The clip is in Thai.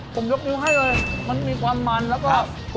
ผมยกนิ้วให้เลยมันมีความมันแล้วก็